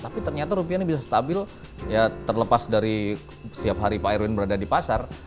tapi ternyata rupiah ini bisa stabil ya terlepas dari setiap hari pak erwin berada di pasar